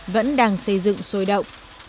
vẫn đang xây dựng sôi động